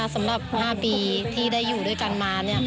สำหรับ๕ปีที่ได้อยู่ด้วยกันมา